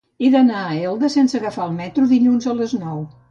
He d'anar a Elda sense agafar el metro dilluns a les nou.